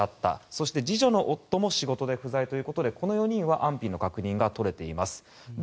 そして次女の夫も仕事で不在ということでこの４人は安否確認が取れています。